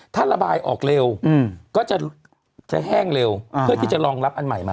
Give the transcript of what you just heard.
ถ้าระบายออกเร็วก็จะแห้งเร็วเพื่อที่จะรองรับอันใหม่มา